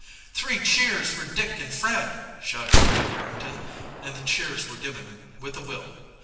"Three cheers for Dick and Fred!" shouted Frank Harrington, and the cheers were given with a will.